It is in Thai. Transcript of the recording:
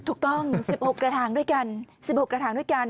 ถูกต้อง๑๖กระทางด้วยกัน